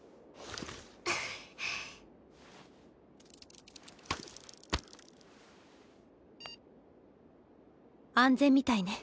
ピッ安全みたいね。